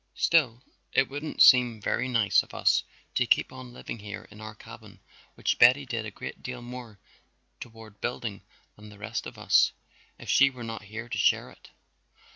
"Still it wouldn't seem very nice of us to keep on living here in our cabin, which Betty did a great deal more toward building than the rest of us, if she were not here to share it."